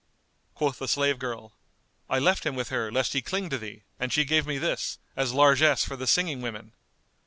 Quoth the slave girl, "I left him with her lest he cling to thee, and she gave me this, as largesse for the singing women."